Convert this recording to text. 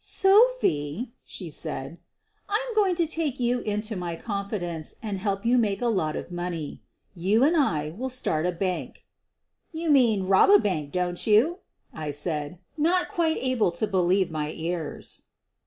" Sophie,' ' she said, "I'm going to take you into my confidence and help you make a lot of money. You and I will start a bank." "You mean, rob a bank, don't you?" I said, not quite able to believe my ears.